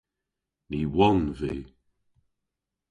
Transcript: Ny wonn vy.